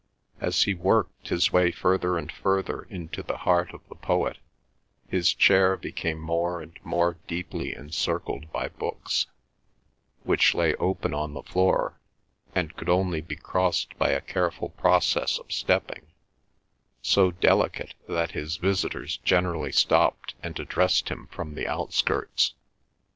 As he worked his way further and further into the heart of the poet, his chair became more and more deeply encircled by books, which lay open on the floor, and could only be crossed by a careful process of stepping, so delicate that his visitors generally stopped and addressed him from the outskirts.